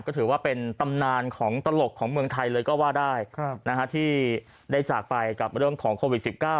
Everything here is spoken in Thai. ก็ถือว่าเป็นตำนานของตลกของเมืองไทยเลยก็ว่าได้ที่ได้จากไปกับเรื่องของโควิด๑๙